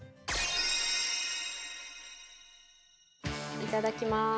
いただきます！